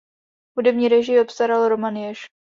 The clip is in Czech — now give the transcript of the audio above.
Hudební režii obstaral Roman Jež.